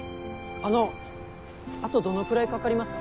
あのあとどのくらいかかりますか？